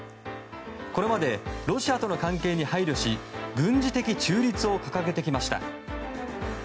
これまでロシアとの関係に配慮し軍事的中立を掲げてきました。